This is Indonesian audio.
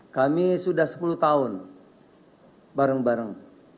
kami sudah sepuluh tahun bareng bareng